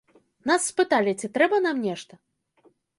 Нас спыталі, ці трэба нам нешта.